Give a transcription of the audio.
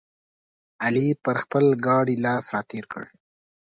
علي پر خپل ګاډي لاس راتېر کړ.